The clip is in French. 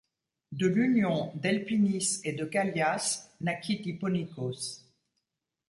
De l'union d'Elpinice et de Callias naquit Hipponicos.